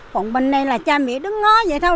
còn bên này là cha mẹ đứng ngó vậy thôi